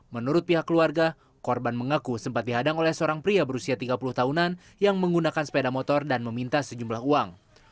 menurut pihak keluarga korban mengaku sempat dihadang oleh seorang pria berusia tiga puluh tahunan yang menggunakan sepeda motor dan meminta sejumlah uang